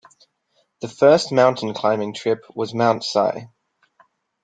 The first mountain climbing trip was Mount Si.